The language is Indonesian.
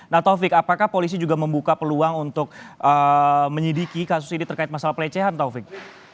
nah taufik apakah polisi juga membuka peluang untuk menyidiki kasus ini terkait masalah pelecehan taufik